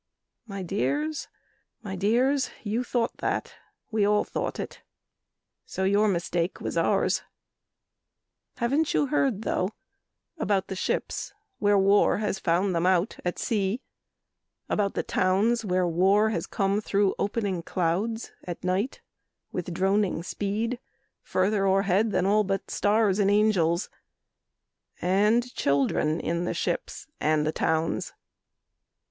My dears, my dears, you thought that we all thought it. So your mistake was ours. Haven't you heard, though, About the ships where war has found them out At sea, about the towns where war has come Through opening clouds at night with droning speed Further o'erhead than all but stars and angels, And children in the ships and in the towns?